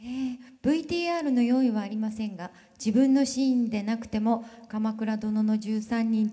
「ＶＴＲの用意はありませんが自分のシーンでなくても『鎌倉殿の１３人』といえばこれというシーンは」。